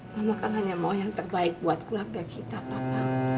kamu kan hanya mau yang terbaik buat keluarga kita bapak